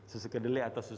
susu kedelai atau susu ini